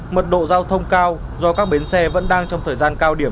mật độ giao thông cao do các bến xe vẫn đang trong thời gian cao điểm